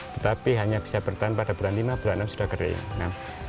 tetapi hanya bisa bertahan pada bulan lima bulan enam sudah kering kan